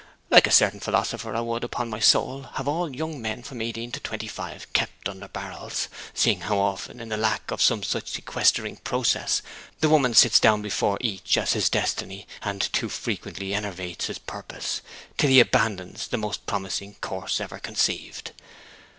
'Like a certain philosopher I would, upon my soul, have all young men from eighteen to twenty five kept under barrels; seeing how often, in the lack of some such sequestering process, the woman sits down before each as his destiny, and too frequently enervates his purpose, till he abandons the most promising course ever conceived!